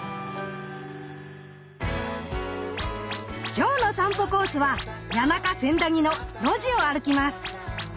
今日の散歩コースは谷中・千駄木の路地を歩きます。